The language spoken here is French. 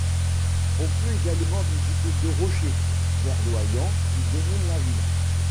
On peut également visiter deux rochers verdoyant qui dominent la ville.